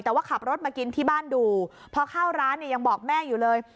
แต่ว่าขับรถมากินที่บ้านดูพอเข้าร้านเนี่ยยังบอกแม่อยู่เลย